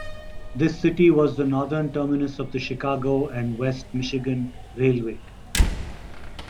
This city was the northern terminus of the Chicago and West Michigan Railway.